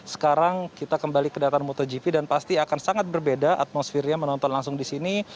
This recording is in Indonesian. sekarang kita kembali ke data motogp dan pasti akan sangat berbeda atmosfernya menonton langsung di sini